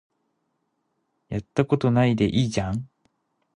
やったことないでいいじゃん